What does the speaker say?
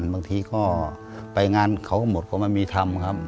บางทีก็ไปงานเขาก็หมดก็ไม่มีทำครับ